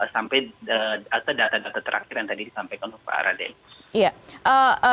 sampai data data terakhir yang tadi disampaikan oleh pak raden